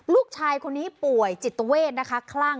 ลูกชายคนนี้ป่วยจิตเวทนะคะคลั่ง